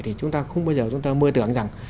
thì chúng ta không bao giờ mơ tưởng rằng